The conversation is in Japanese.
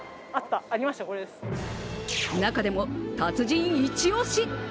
中でも達人一押し